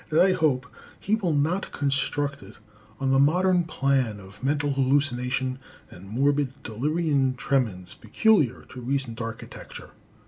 that I hope he will not construct it on the modern plan of mental hallucination and morbid delirium tremens peculiar to recent architecture.